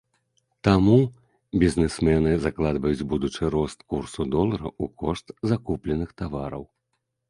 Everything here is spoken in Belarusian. Таму бізнэсмэны закладваюць будучы рост курсу долара ў кошт закупленых тавараў.